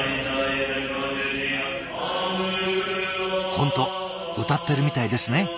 本当歌ってるみたいですね。